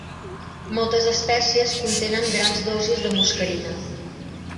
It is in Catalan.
Moltes espècies contenen grans dosis de muscarina.